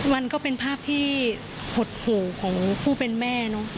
มันก็เป็นภาพที่หดหู่ของผู้เป็นแม่เนอะ